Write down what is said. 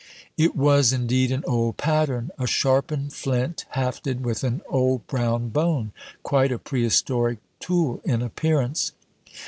It was indeed an old pattern, a sharpened flint hafted with an old brown bone quite a prehistoric tool in appearance.